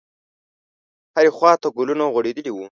هرې خواته ګلونه غوړېدلي وو.